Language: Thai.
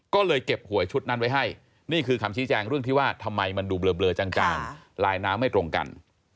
ก็เลยเก็บหวยชุดนั้นไว้ให้นี่คือคำชี้แจงเรื่องที่ว่าทำไมมันดูเบลอจางลายน้ำไม่ตรงกัน